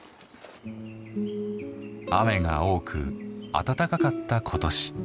雨が多く暖かかった今年。